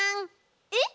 えっ！？